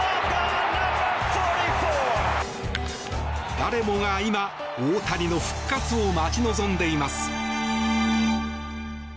誰もが今、大谷の復活を待ち望んでいます。